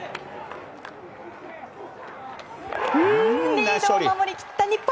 リードを守り切った日本。